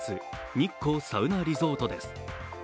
日光サウナリゾートです。